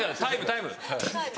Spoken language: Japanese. タイム？